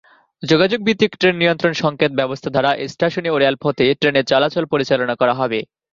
যোগাযোগ ভিত্তিক ট্রেন নিয়ন্ত্রণ সংকেত ব্যবস্থা দ্বারা এই স্টেশনে ও রেলপথে ট্রেনের চলাচল পরিচালনা করা হবে।